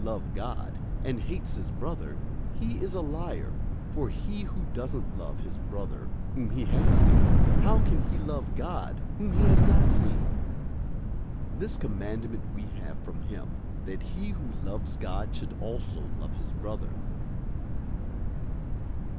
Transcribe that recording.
004:020 If a man says, "I love God," and hates his brother, he is a liar; for he who doesn't love his brother whom he has seen, how can he love God whom he has not seen? 004:021 This commandment we have from him, that he who loves God should also love his brother.